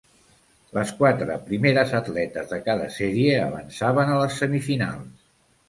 Les quatre primeres atletes de cada sèrie avançaven a les semifinals.